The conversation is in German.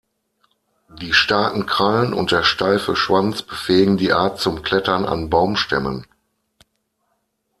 Die starken Krallen und der steife Schwanz befähigen die Art zum Klettern an Baumstämmen.